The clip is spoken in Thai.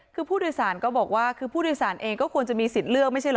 คือผู้โดยสารก็บอกว่าคือผู้โดยสารเองก็ควรจะมีสิทธิ์เลือกไม่ใช่เหรอ